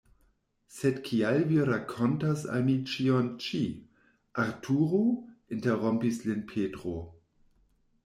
"Sed kial Vi rakontas al mi ĉion ĉi? Arturo?" interrompis lin Petro.